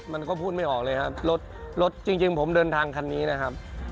มันก็พูดไม่ออกเลยครับรถรถจริงผมเดินทางคันนี้นะครับ